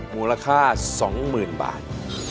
มูลค่า๒๐๐๐บาท